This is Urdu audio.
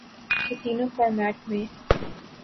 کہ تینوں فارمیٹ میں